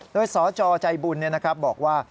โดยสจใจบุญนะครับบอกว่า